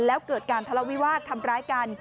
แล้วเกิดการทะเลาวิวาสทำร้ายกัน